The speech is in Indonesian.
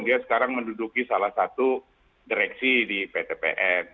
dia sekarang menduduki salah satu direksi di pt pn